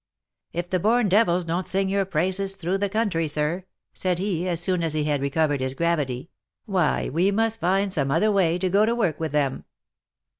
" If the born devils don't sing your praises through the country, sir," said he, as soon as he had recovered his gravity, " why we must find some other way to go to work with them."